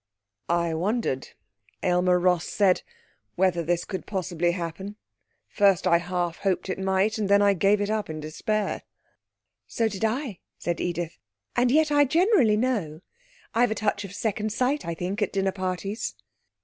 'I wondered,' Aylmer Ross said, 'whether this could possibly happen. First I half hoped it might; then I gave it up in despair.' 'So did I,' said Edith; 'and yet I generally know. I've a touch of second sight, I think at dinner parties.'